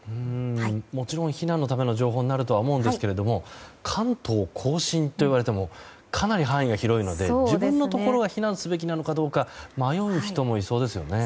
もちろん避難のための情報になると思いますが関東・甲信といわれてもかなり範囲が広いので自分のところが避難すべきなのかどうか迷う人もいそうですね。